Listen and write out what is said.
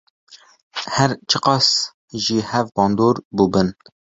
Her çi qas ji hev bandor bûbin.